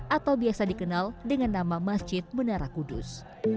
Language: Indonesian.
atau biasa dikenal dengan nama masjid menara kudus